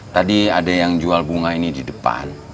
tadi ada yang jual bunga ini di depan